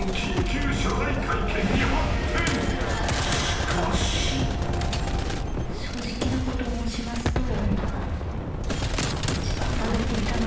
［しかし］正直なこと申しますと。